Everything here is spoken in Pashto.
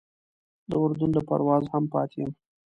د اردن له پروازه هم پاتې یم.